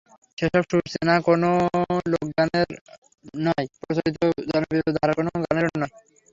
সেসব সুর চেনা কোনো লোকগানের নয়, প্রচলিত জনপ্রিয় ধারার কোনো গানেরও নয়।